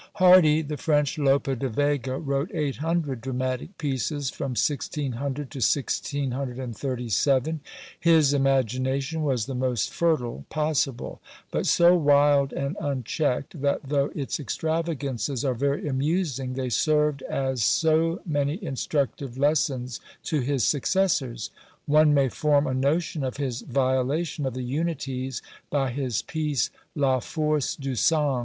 Hardi, the French Lope de Vega, wrote 800 dramatic pieces from 1600 to 1637; his imagination was the most fertile possible; but so wild and unchecked, that though its extravagances are very amusing, they served as so many instructive lessons to his successors. One may form a notion of his violation of the unities by his piece "La Force du Sang."